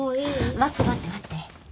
待って待って待って。